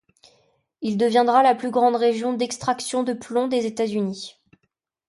Il deviendra la plus grande région d'extraction de plomb des États-Unis.